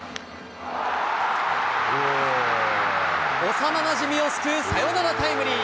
幼なじみを救うサヨナラタイムリー。